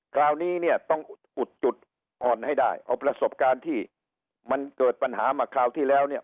คราวนี้เนี่ยต้องอุดจุดอ่อนให้ได้เอาประสบการณ์ที่มันเกิดปัญหามาคราวที่แล้วเนี่ย